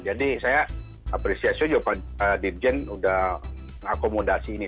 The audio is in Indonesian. jadi saya apresiasi juga pak dirjen sudah mengakomodasi ini